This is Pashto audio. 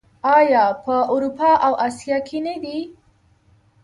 آیا په اروپا او اسیا کې نه دي؟